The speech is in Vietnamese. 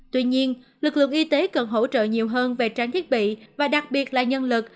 tuy nhiên lực lượng y tế cần hỗ trợ nhiều hơn về trang thiết bị và đặc biệt là nhân lực